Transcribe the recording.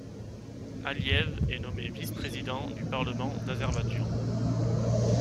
Aliyev est nommé vice-président du parlement d'Azerbaïdjan.